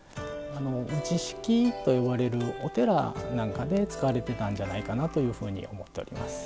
打敷と呼ばれるお寺なんかで使われてたんじゃないかなというふうに思っております。